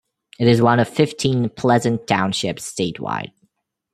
It is one of fifteen Pleasant Townships statewide.